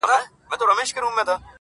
یوار مسجد ته ګورم، بیا و درمسال ته ګورم